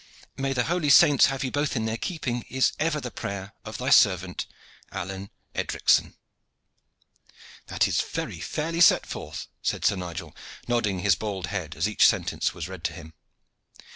May the holy saints have you both in their keeping is ever the prayer of thy servant, "ALLEYNE EDRICSON." "That is very fairly set forth," said Sir Nigel, nodding his bald head as each sentence was read to him.